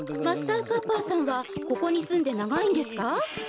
マスターカッパさんはここにすんでながいんですか？